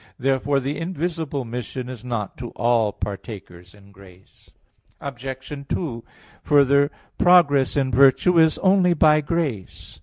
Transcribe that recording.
Therefore the invisible mission is not to all partakers in grace. Obj. 2: Further, progress in virtue is only by grace.